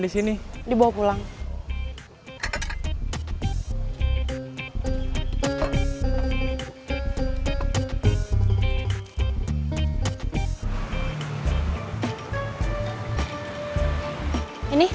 kamu nggak punya kue